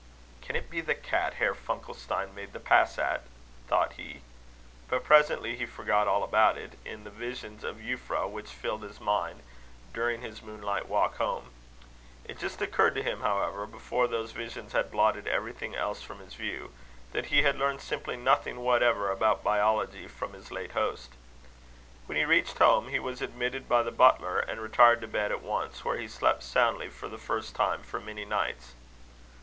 "Can it be the cat Herr Funkelstein made the pass at?" thought he. But presently he forgot all about it, in the visions of Euphra which filled his mind during his moonlight walk home. It just occurred to him, however, before those visions had blotted everything else from his view, that he had learned simply nothing whatever about biology from his late host. When he reached home, he was admitted by the butler, and retired to bed at once, where he slept soundly, for the first time for many nights.